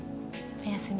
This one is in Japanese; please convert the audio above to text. おやすみ。